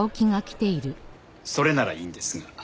それならいいんですが。